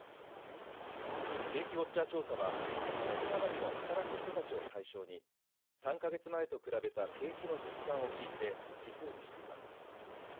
景気ウォッチャー調査は２０００人余りの働く人たちを対象に３か月前と比べた景気の実感を聞いて指数にしています。